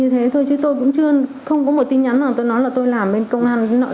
thế thôi chứ tôi cũng chưa không có một tin nhắn nào tôi nói là tôi làm bên công an với nội thi kỷ ạ